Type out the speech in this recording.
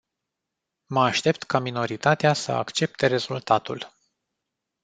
Mă aștept ca minoritatea să accepte rezultatul.